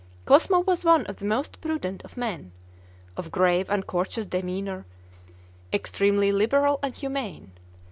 Cosmo was one of the most prudent of men; of grave and courteous demeanor, extremely liberal and humane.